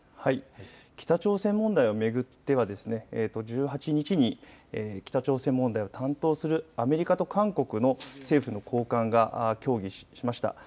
北朝鮮問題を巡っては１８日に北朝鮮問題を担当するアメリカと韓国の政府の高官が協議しました。